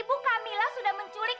anak ibu kak mila sudah menculik